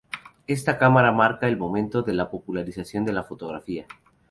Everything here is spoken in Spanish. Esta cámara marca el momento de la popularización de la fotografía.